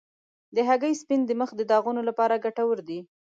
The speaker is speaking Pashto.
د هګۍ سپین د مخ د داغونو لپاره ګټور دی.